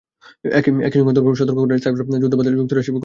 একই সঙ্গে সতর্ক করেন, সাইবার যুদ্ধ বাধলে যুক্তরাষ্ট্রেরই ক্ষতি বেশি হবে।